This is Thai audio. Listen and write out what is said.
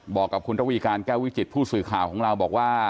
บอกกับคุณระวีการแก้ววิจิตผู้สื่อข่าวของเราบอกว่า